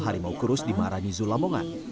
harimau kurus di maharani zulamongan